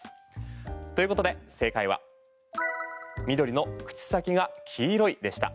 ということで正解は緑の口先が黄色いでした。